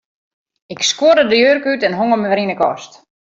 Ik skuorde de jurk út en hong him wer yn 'e kast.